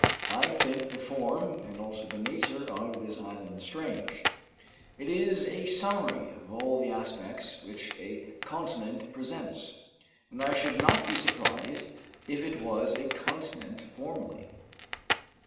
I think the form and also the nature of this island strange. It is a summary of all the aspects which a continent presents, and I should not be surprised if it was a continent formerly."